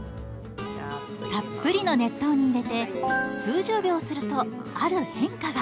たっぷりの熱湯に入れて数十秒するとある変化が。